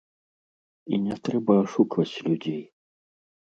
І не трэба ашукваць людзей.